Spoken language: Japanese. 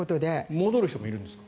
戻る人もいるんですか？